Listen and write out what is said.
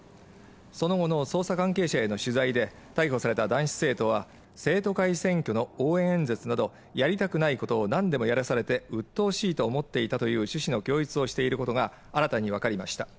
その後の捜査関係者への取材で逮捕された男子生徒は生徒会選挙の応援演説などやりたくないことを何度もやらされて鬱陶しいと思っていたという趣旨の供述をしていることが新たに分かりました